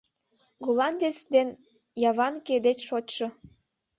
— Голландец ден яванке деч шочшо.